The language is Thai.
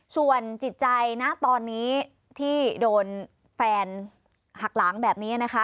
ส่วนจิตใจนะตอนนี้ที่โดนแฟนหักหลังแบบนี้นะคะ